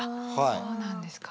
そうなんですか。